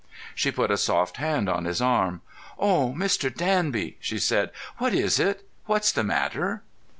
She put a soft hand on his arm. "Oh, Mr. Danby," she said, "what is it—what's the matter?"